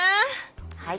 はい。